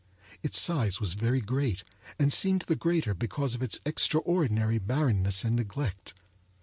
Its size was very great, and seemed the greater because of its extraordinary barrenness and neglect.